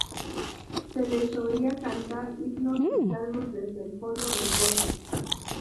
Se les oía cantar himnos y salmos desde el fondo del pozo.